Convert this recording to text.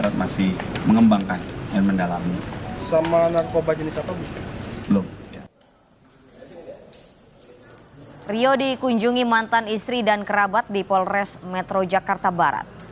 pesinetron rio rayvan diambil kembali di polres metro jakarta barat